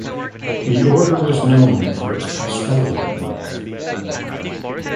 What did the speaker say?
The order was known for its pastoral work.